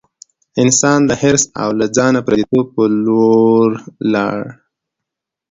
انسان د حرص او له ځانه پردیتوب په لور لاړ.